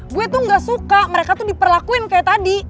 gue tuh gak suka mereka tuh diperlakuin kayak tadi